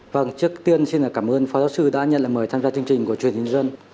vâng trước tiên xin cảm ơn phó giáo sư đã nhận lời mời tham gia chương trình của truyền hình dân